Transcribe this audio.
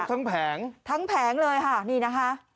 แผงทั้งแผงเลยค่ะนี่นะคะ